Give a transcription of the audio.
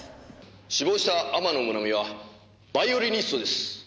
死亡した天野もなみはバイオリニストです。